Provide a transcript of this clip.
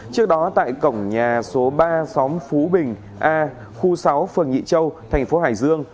trước đó tại cổng nhà số ba xóm phú bình a khu sáu phường nhị châu thành phố hải dương